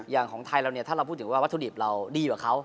ของไทยเราเนี่ยถ้าเราพูดถึงว่าวัตถุดิบเราดีกว่าเขา